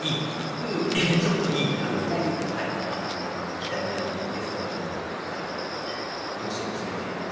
イタリアンレストランに両親を連れていって。